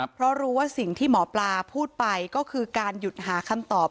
เพราะรู้ว่าสิ่งที่หมอปลาพูดไปก็คือการหยุดหาคำตอบ